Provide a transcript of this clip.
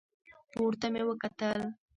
پورته مې وکتل.